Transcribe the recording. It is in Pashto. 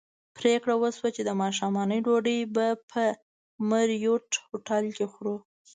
پرېکړه وشوه چې د ماښام ډوډۍ به په مریوټ هوټل کې خورو.